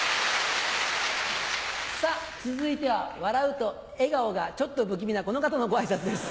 さぁ続いては笑うと笑顔がちょっと不気味なこの方のご挨拶です。